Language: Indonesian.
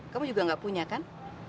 kamu juga nggak punya kan